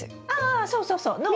あそうそうそう。